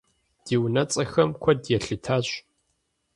Ди унэцӀэхэм куэд елъытащ.